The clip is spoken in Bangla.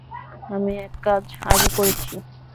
আমি একাজ আগে করেছি।